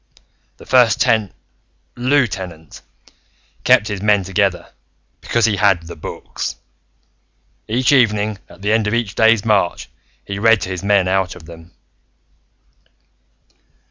"The First Ten Lieutenant kept his men together, because he had The Books. Each evening, at the end of each day's march, he read to his men out of them."